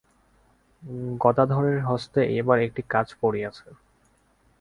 গদাধরের হস্তে এইবার একটি কাজ পড়িয়াছে।